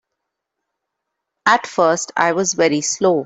At first I was very slow.